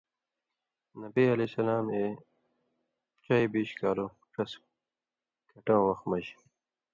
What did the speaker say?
نبی علیہ السلام اَئے ڇَئے بِیش کالوں ݜس کَھٹَوں وَخ مَز